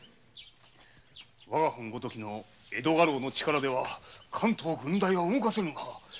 我が藩ごときの江戸家老の力では関東郡代は動かせぬが。